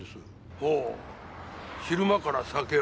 ほう昼間から酒を。